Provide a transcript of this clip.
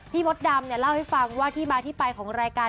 มดดำเนี่ยเล่าให้ฟังว่าที่มาที่ไปของรายการ